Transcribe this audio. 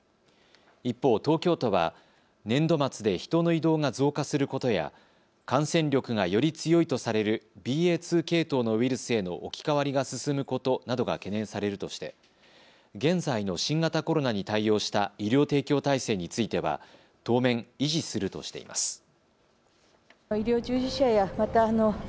一方、東京都は年度末で人の移動が増加することや感染力がより強いとされるＢＡ．２系統のウイルスへの置き換わりが進むことなどが懸念されるとして現在の新型コロナに対応した医療提供体制については当面、維持するとしています。